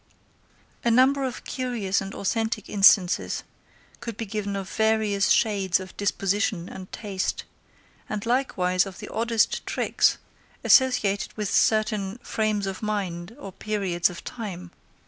A number of curious and authentic instances could be given of various shades of disposition and taste, and likewise of the oddest tricks, associated with certain frames of mind or periods of time.